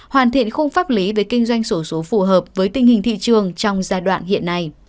hoàn thiện khung pháp lý về kinh doanh sổ số phù hợp với tình hình thị trường trong giai đoạn hiện nay